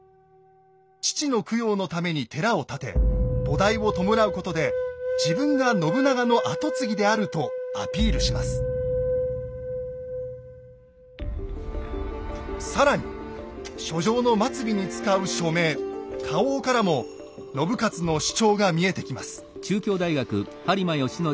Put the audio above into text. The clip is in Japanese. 父の供養のために寺を建て菩提を弔うことで自分が信長の跡継ぎであると更に書状の末尾に使う署名花押からも信雄の主張が見えてきます。